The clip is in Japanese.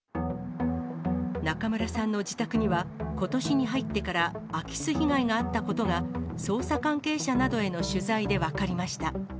中村さんの自宅には、ことしに入ってから空き巣被害があったことが、捜査関係者などへの取材で分かりました。